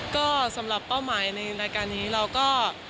ก็สำหรับเป้าหมายในรายการนี้เราก็